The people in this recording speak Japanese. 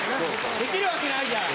できるわけないじゃん！